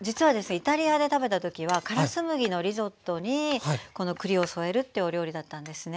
イタリアで食べた時はからす麦のリゾットにこの栗を添えるっていうお料理だったんですね。